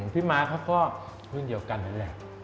ม้าเขาก็รุ่นเดียวกันนั่นแหละ